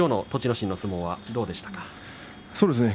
心の相撲いかがでしたか。